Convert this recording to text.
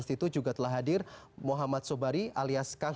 supaya sama dengan yang lain lain